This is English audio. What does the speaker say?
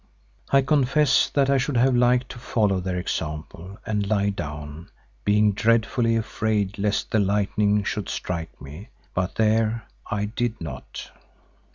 I confess that I should have liked to follow their example, and lie down, being dreadfully afraid lest the lightning should strike me. But there—I did not.